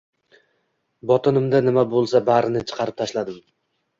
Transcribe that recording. Botinimda nima bo’lsa barini chiqarib tashladim.